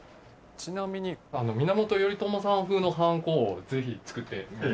ちなみに源頼朝さん風のはんこをぜひ作ってみませんか？